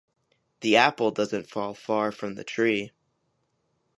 The apple doesn’t fall far from the tree